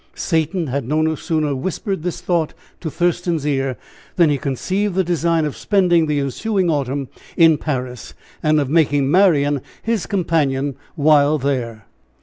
Satan had no sooner whispered this thought to Thurston's ear than he conceived the design of spending the ensuing autumn in Paris and of making Marian his companion while there.